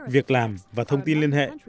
việc làm và thông tin liên hệ